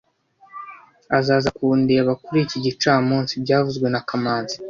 Azaza kundeba kuri iki gicamunsi byavuzwe na kamanzi